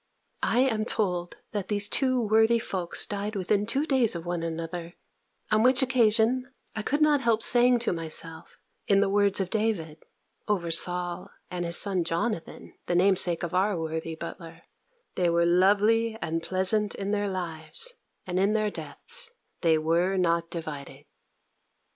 I am told, that these two worthy folks died within two days of one another: on which occasion I could not help saying to myself, in the words of David over Saul and his son Jonathan, the name sake of our worthy butler "_They were lovely and pleasant in their lives, and in their deaths they were not divided.